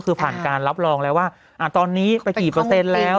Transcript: คือผ่านการรับรองแล้วว่าตอนนี้ไปกี่เปอร์เซ็นต์แล้ว